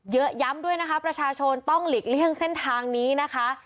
ย้ำด้วยนะคะประชาชนต้องหลีกเลี่ยงเส้นทางนี้นะคะ